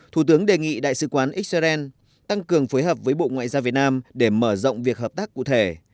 thủ tướng đề nghị đại sứ quán israel tăng cường phối hợp với bộ ngoại giao việt nam để mở rộng việc hợp tác cụ thể